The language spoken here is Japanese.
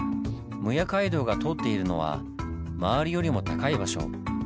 撫養街道が通っているのは周りよりも高い場所。